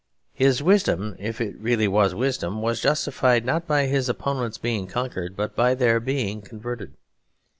His wisdom, if it really was wisdom, was justified not by his opponents being conquered, but by their being converted.